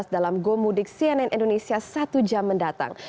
dalam gomudik cnn indonesia satu jam mendatang